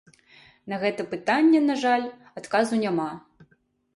На гэта пытанне, на жаль, адказу няма.